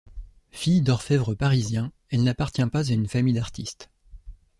Fille d’orfèvre parisien, elle n'appartient pas à une famille d'artistes.